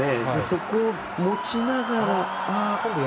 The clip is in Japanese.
そこを持ちながら。